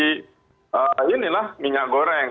untuk mensubsidi inilah minyak goreng